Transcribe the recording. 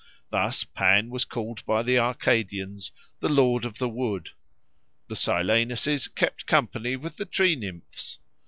Thus, Pan was called by the Arcadians the Lord of the Wood. The Silenuses kept company with the tree nymphs.